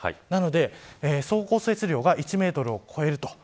なので、総降雪量が１メートルを超える。